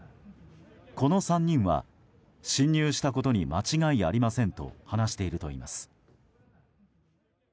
この３人は侵入したことに間違いありませんと話しているといいます。